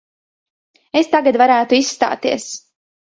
Es tagad varētu izstāties.